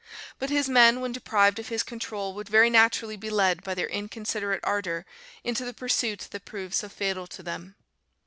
But his men, when deprived of his control would very naturally be led by their inconsiderate ardour into the pursuit that proved so fatal to them.